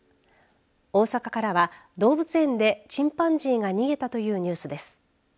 大阪からは動物園でチンパンジーが逃げたというニュースです。